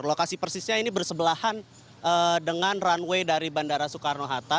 lokasi persisnya ini bersebelahan dengan runway dari bandara soekarno hatta